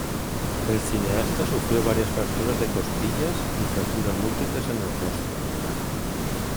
El cineasta sufrió varias fracturas de costillas, y fracturas múltiples en el rostro.